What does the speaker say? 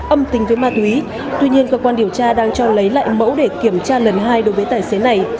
âm tình với ma thú ý tuy nhiên cơ quan điều tra đang cho lấy lại mẫu để kiểm tra lần hai đối với tài xế này